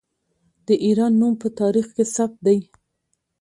د ایران نوم په تاریخ کې ثبت دی.